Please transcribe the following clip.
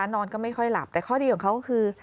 นอนก็ไม่ค่อยหลับแต่ข้อดีของเขาก็คือ